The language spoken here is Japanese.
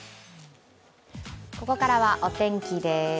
ここからはお天気です。